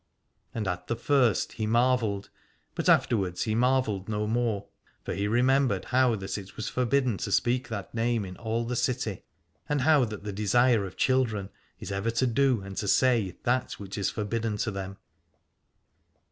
And at the first he marvelled, but afterwards he marvelled no more, for he remembered how that it was forbidden to speak that name in all the city, and how that the desire of children is ever to do and to say that which is forbidden them.